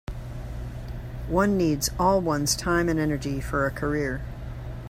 One needs all one's time and energy for a career.